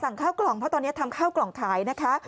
ข้าวกล่องเพราะตอนนี้ทำข้าวกล่องขายนะคะ